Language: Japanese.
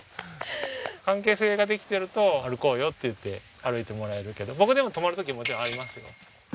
関係性ができてると歩こうよって言って歩いてもらえるけど僕でも止まる時もちろんありますよ。